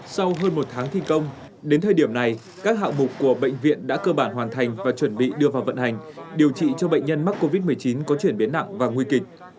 sau hơn một tháng thi công đến thời điểm này các hạng mục của bệnh viện đã cơ bản hoàn thành và chuẩn bị đưa vào vận hành điều trị cho bệnh nhân mắc covid một mươi chín có chuyển biến nặng và nguy kịch